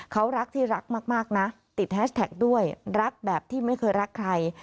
เขารักที่รักมากนะติดแฮชแท็กด้วยรักแบบที่ไม่เคยรักใคร